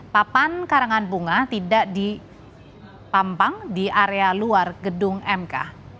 papan karangan bunga tidak dipampang di area luar gedung mk